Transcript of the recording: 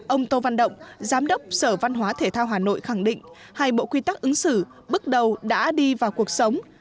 ông tô văn động giám đốc sở văn hóa thể thao hà nội khẳng định hai bộ quy tắc ứng xử bước đầu đã đi vào cuộc sống